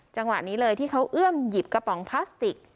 จังหวะนี้เลยที่เขาเอื้อมหยิบกระป๋องพลาสติก